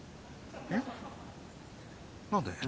えっ？何で？